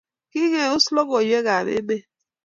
Kigeus logoiywekab emet